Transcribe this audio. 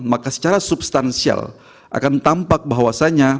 maka secara substansial akan tampak bahwasannya